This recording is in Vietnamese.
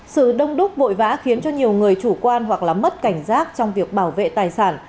sự đông đúc vội vã khiến cho nhiều người chủ quan hoặc là mất cảnh giác trong việc bảo vệ tài sản